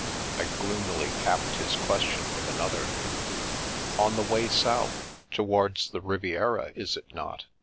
" I gloomily capped his ques tion with another. "On the way south, towards the Riviera, is it not?